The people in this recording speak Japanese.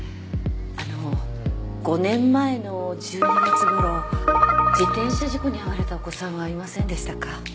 あの５年前の１２月ごろ自転車事故に遭われたお子さんはいませんでしたか？